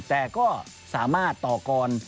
แต่ก็สามารถต่อกร